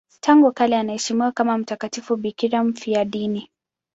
Tangu kale anaheshimiwa kama mtakatifu bikira mfiadini.